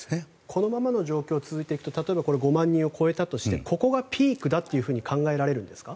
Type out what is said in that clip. このままの状況が続いていくと例えば、５万人を超えたとしてここがピークだと考えられるんですか？